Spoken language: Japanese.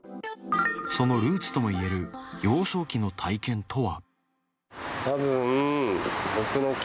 そのルーツともいえる幼少期の体験とは？